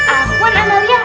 ah puan amalia